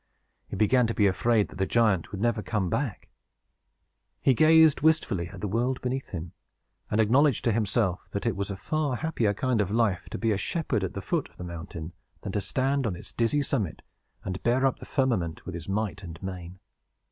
He began to be afraid that the giant would never come back. He gazed wistfully at the world beneath him, and acknowledged to himself that it was a far happier kind of life to be a shepherd at the foot of a mountain, than to stand on its dizzy summit, and bear up the firmament with his might and main.